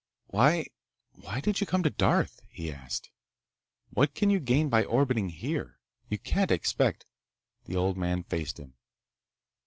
"Why ... why did you come to Darth?" he asked. "What can you gain by orbiting here? You can't expect—" The old man faced him.